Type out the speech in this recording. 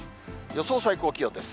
予想最高気温です。